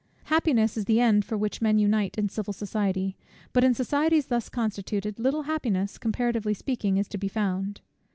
Happiness is the end for which men unite in civil society; but in societies thus constituted, little happiness, comparatively speaking, is to be found.